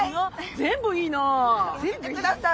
全部いい。